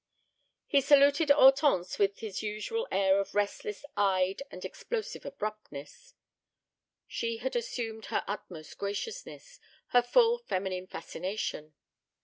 He saluted Hortense with his usual air of restless eyed and explosive abruptness. She had assumed her utmost graciousness, her full feminine fascination.